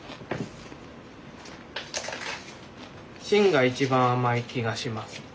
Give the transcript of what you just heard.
芯が一番甘い気がします。